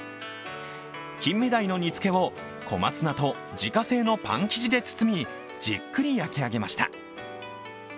キンメダイの煮付けを小松菜と自家製のパン生地で包みじっくり焼き上げました。